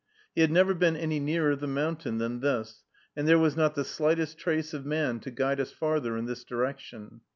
He had never been any nearer the mountain than this, and there was not the slightest trace of man to guide us farther in this direction.